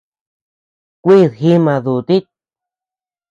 Kuid jíma dutit.